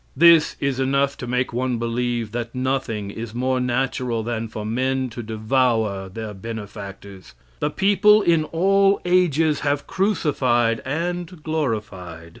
This is enough to make one believe that nothing is more natural than for men to devour their benefactors. The people in all ages have crucified and glorified.